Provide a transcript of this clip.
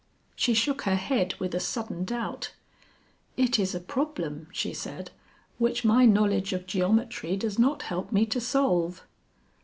She shook her head with a sudden doubt. "It is a problem," she said, "which my knowledge of geometry does not help me to solve."